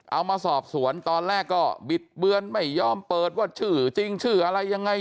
เอามาสอบสวนตอนแรกก็บิดเบือนไม่ยอมเปิดว่าชื่อจริงชื่ออะไรยังไง